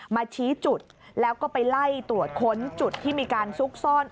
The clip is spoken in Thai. มาชี้จุดแล้วก็ไปไล่ตรวจค้นจุดที่มีการซุกซ่อน